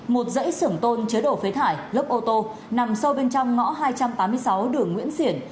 một dãy xưởng tôn chứa đổ phế thải lớp ô tô nằm sâu bên trong ngõ hai trăm tám mươi sáu đường nguyễn xiển